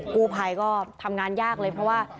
กู้ภัยก็ทำงานยากเลยเพราะว่า